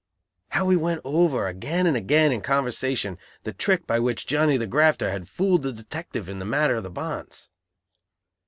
How we went over again and again in conversation, the trick by which Johnny the "grafter" had fooled the detective in the matter of the bonds!